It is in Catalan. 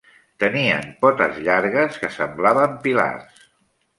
Tenien potes llargues que semblaven pilars.